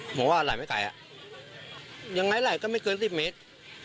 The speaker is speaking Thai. ผมว่าไหลไม่ไกลอ่ะยังไงไหลก็ไม่เกิน๑๐เมตร